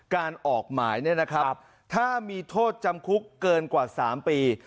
การออกหมายเนี่ยนะครับถ้ามีโทษจำคุกเกินกว่า๓ปี